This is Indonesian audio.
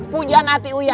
pujaan hati uya